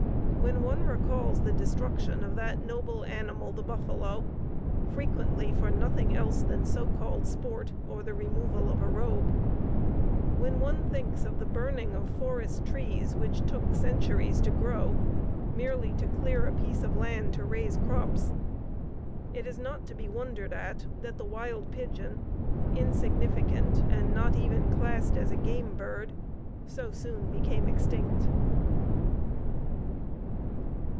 When one recalls the destruction of that noble animal, the buffalo, frequently for nothing else than so called sport, or the removal of a robe; when one thinks of the burning of forest trees which took centuries to grow, merely to clear a piece of land to raise crops, it is not to be wondered at that the wild pigeon, insignificant, and not even classed as a game bird, so soon became extinct.